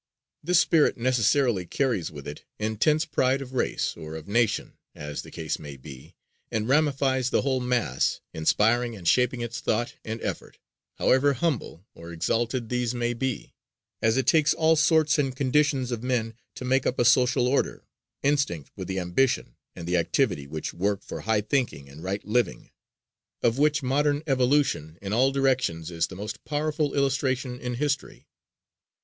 This spirit necessarily carries with it intense pride of race, or of nation, as the case may be, and ramifies the whole mass, inspiring and shaping its thought and effort, however humble or exalted these may be, as it takes "all sorts and conditions of men" to make up a social order, instinct with the ambition and the activity which work for "high thinking and right living," of which modern evolution in all directions is the most powerful illustration in history.